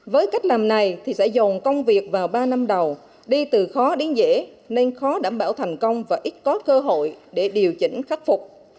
với cách làm này thì sẽ dồn công việc vào ba năm đầu đi từ khó đến dễ nên khó đảm bảo thành công và ít có cơ hội để điều chỉnh khắc phục